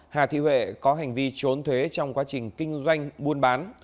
hà thị huệ có hành vi trốn thuế trong quá trình kinh doanh buôn bán